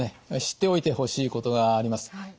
知っておいてほしいことがあります。